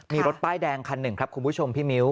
มีรถป้ายแดงคันหนึ่งครับคุณผู้ชมพี่มิ้ว